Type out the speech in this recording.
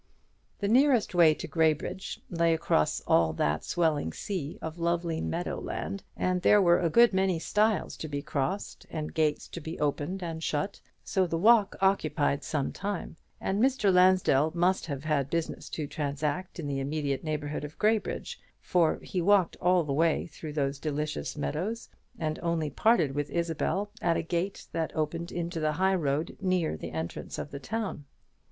The nearest way to Graybridge lay across all that swelling sea of lovely meadow land, and there were a good many stiles to be crossed and gates to be opened and shut, so the walk occupied some time; and Mr. Lansdell must have had business to transact in the immediate neighbourhood of Graybridge, for he walked all the way through those delicious meadows, and only parted with Isabel at a gate that opened into the high road near the entrance of the town.